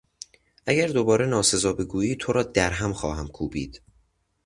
اگر دوباره ناسزا بگویی تو را در هم خواهم کوبید!